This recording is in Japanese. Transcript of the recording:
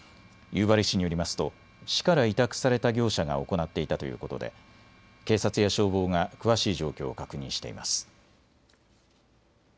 夕張市によりますと市から委託された業者が行っていたということで警察や消防が詳しい状況を確認しています。